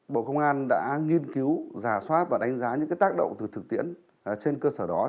bộ công an đã nghiên cứu giả soát và đánh giá những tác động từ thực tiễn trên cơ sở đó